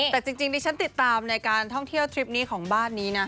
แต่จริงดิฉันติดตามในการท่องเที่ยวทริปนี้ของบ้านนี้นะ